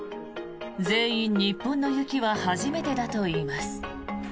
全員、日本の雪は初めてだといいます。